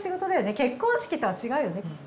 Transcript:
結婚式とは違うよね。